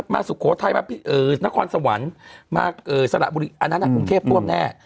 สุโขทัยมานครสวรรค์มาสระบุรีอันนั้นกรุงเทพท่วมแน่